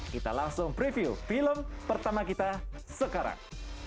kita langsung preview film pertama kita sekarang